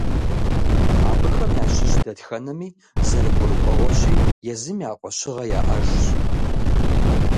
Абыхэм ящыщ дэтхэнэми, зэрыгурыӀуэгъуэщи, езым я фӀэщыгъэ яӀэжщ.